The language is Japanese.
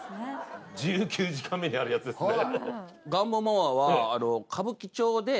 １９時間目にあるやつですね